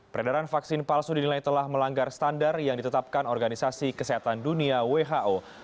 peredaran vaksin palsu dinilai telah melanggar standar yang ditetapkan organisasi kesehatan dunia who